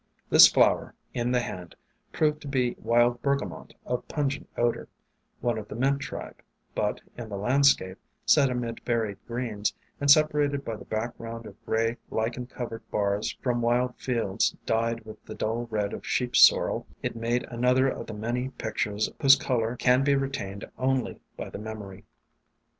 This flower, in the hand, proved to be Wild Bergamot of pungent odor, one of the Mint tribe, but in the landscape, set amid varied greens, and separated by the background of gray, lichen cov ered bars from wild fields dyed with the dull red of Sheep Sorrel, it made another of the many pic tures whose color can be retained only by the memory.